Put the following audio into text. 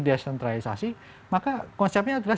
desentralisasi maka konsepnya adalah